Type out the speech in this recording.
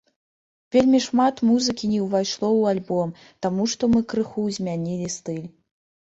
Вельмі шмат музыкі не ўвайшло ў альбом, таму што мы крыху змянілі стыль.